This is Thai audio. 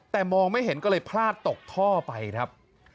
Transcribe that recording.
แต่มองไม่เห็นก็เลยพลาดตกท่อไปครับ